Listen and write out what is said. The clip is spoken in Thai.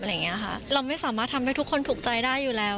เราไม่สามารถทำให้ทุกคนถูกใจได้อยู่แล้ว